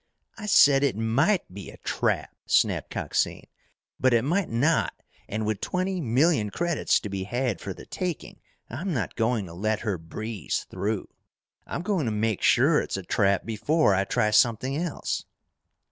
"I said it might be a trap!" snapped Coxine. "But it might not and with twenty million credits to be had for the taking, I'm not going to let her breeze through. I'm going to make sure it's a trap before I try something else!"